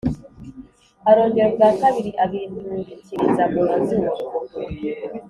arongera ubwa kabiri abinturikiriza ku mazuru